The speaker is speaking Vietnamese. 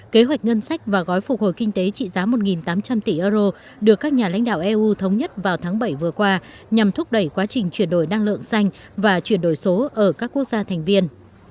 kế hoạch ngân sách và gói phục hồi kinh tế trị giá một tám trăm linh tỷ euro được các nhà lãnh đạo eu thống nhất vào tháng bảy vừa qua nhằm thúc đẩy quá trình chuyển đổi năng lượng xanh và chuyển đổi số ở các quốc gia thành viên